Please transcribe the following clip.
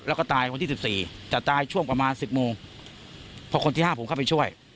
แล้วก็ตายคนที่๑๔จะตายช่วงประมาณ๑๐โมงพอคนที่๕ผมเข้าไปช่วย